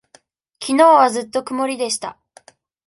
きのうはずっと曇りでした。